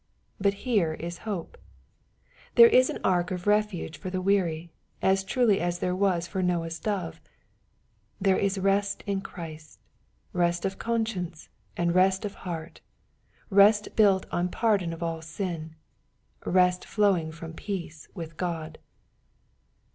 But here is hope. There is an ark of refuge for the weary, as truly as there was for Noah's dove. There is rest in Christ, rest of conscience, and rest of heart, rest built on pardon of all sin, rest flowing from peace with God.